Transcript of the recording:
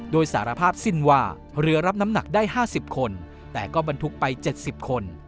โดยสารภาพสิ้นว่าเรือรับน้ำหนักได้๕๐คนแต่ก็บรรทุกไป๗๐คน